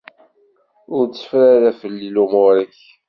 Ur tteffer ara fell-i lumuṛ-ik.